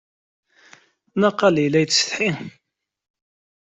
Naqal yella yettsetḥi.